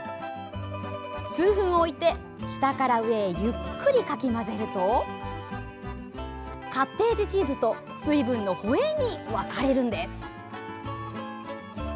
数分置いて下から上へゆっくりかき混ぜるとカッテージチーズと水分のホエーに分かれるんです。